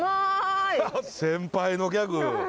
先輩のギャグ。